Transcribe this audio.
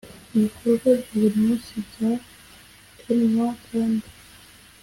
ibikorwa bya buri munsi bya rmh kandi